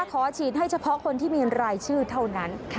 ขอฉีดให้เฉพาะคนที่มีรายชื่อเท่านั้น